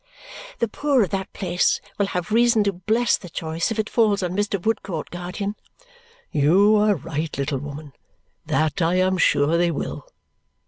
"The poor of that place will have reason to bless the choice if it falls on Mr. Woodcourt, guardian." "You are right, little woman; that I am sure they will."